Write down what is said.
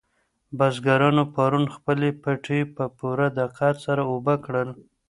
بزګرانو پرون خپل پټي په پوره دقت سره اوبه کړل.